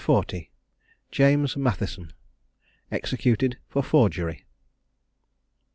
295_] JAMES MATHISON. EXECUTED FOR FORGERY.